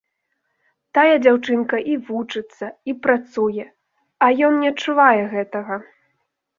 Тая дзяўчынка і вучыцца, і працуе, а ён не адчувае гэтага.